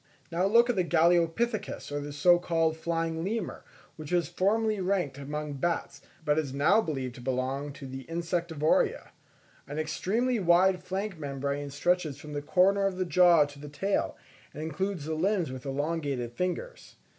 Now look at the Galeopithecus or so called flying lemur, which was formerly ranked among bats, but is now believed to belong to the Insectivora. An extremely wide flank membrane stretches from the corners of the jaw to the tail, and includes the limbs with the elongated fingers.